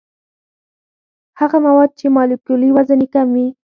هغه مواد چې مالیکولي وزن یې کم وي.